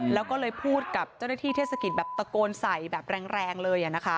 แล้วก็เลยพูดกับเจ้าหน้าที่เทศกิจแบบตะโกนใส่แบบแรงเลย